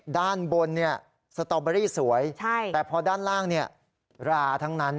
ด้านบนเนี้ยสตอร์เบอรี่สวยใช่แต่พอด้านล่างเนี้ยราทั้งนั้น